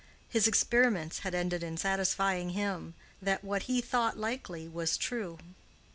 His experiments had ended in satisfying him that what he thought likely was true.